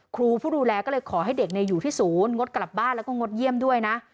ครูผู้ดูแลก็เลยขอให้เด็กอยู่ที่ศูนย์งดกลับบ้านแล้วก็งดเยี่ยมด้วยนะ